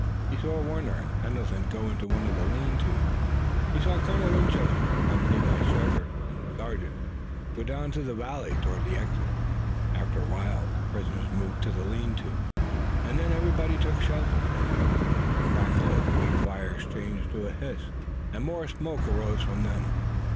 He saw Warner and Pendleton go into one of the lean tos, and he saw Colonel Winchester, accompanied by Shepard and the sergeant, go down the valley toward the exit. After a while the prisoners moved to the lean tos, and then everybody took shelter. The crackle of the big fires changed to a hiss, and more smoke arose from them.